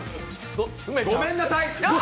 ごめんなさい。